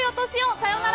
さようなら。